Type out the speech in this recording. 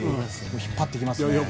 引っ張ってきますね。